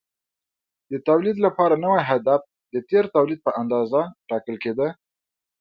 د تولید لپاره نوی هدف د تېر تولید په اندازه ټاکل کېده.